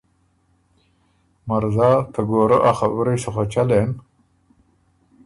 ”مرزا ته ګورۀ ا خبُرئ سُو خه چلېن۔